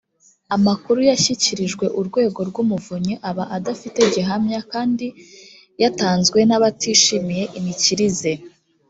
amakuru yashyikirijwe urwego rw umuvunyi aba adafite gihamya kandi yatanzwe n abatishimiye imikirize